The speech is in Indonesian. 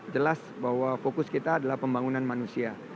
jelas bahwa fokus kita adalah pembangunan manusia